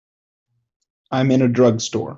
I'm in a drugstore.